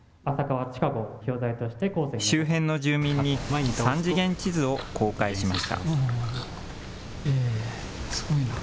周辺の住民に３次元地図を公開しました。